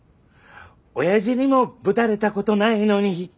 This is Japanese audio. おやじにもぶたれたことないのに！」。